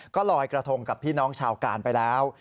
ก็ลอยกระทงกับพี่น้องชาวการไปแล้ว